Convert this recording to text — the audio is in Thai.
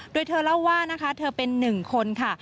โดยเธอเล่าว่านะคะเธอเป็นหนึ่งคนค่ะ